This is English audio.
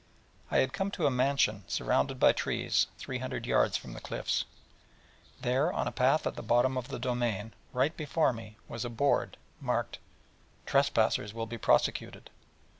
I had come to a mansion, surrounded by trees, three hundred yards from the cliffs: and there, on a path at the bottom of the domain, right before me, was a board marked: 'Trespassers will be Prosecuted.'